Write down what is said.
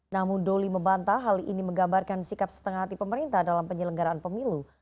namun doli membantah hal ini menggambarkan sikap setengah hati pemerintah dalam penyelenggaraan pemilu